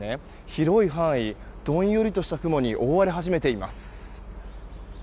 広い範囲、どんよりとした雲に覆われ始めています。